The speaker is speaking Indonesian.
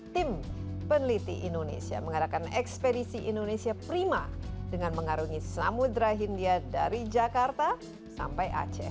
tim peneliti indonesia mengadakan ekspedisi indonesia prima dengan mengarungi samudera hindia dari jakarta sampai aceh